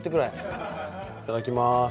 いただきます。